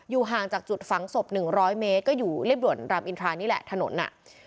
ห่างจากจุดฝังศพ๑๐๐เมตรก็อยู่เรียบด่วนรามอินทรานี่แหละถนนอ่ะ